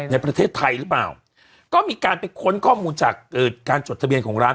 ในประเทศไทยหรือเปล่าก็มีการไปค้นข้อมูลจากการจดทะเบียนของร้าน